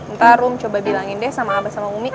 ntar rum coba bilangin deh sama abah sama umi